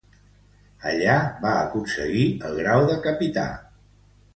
Allí va aconseguir el grau de capità.